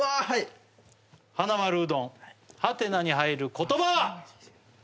はいはなまるうどんハテナに入る言葉は？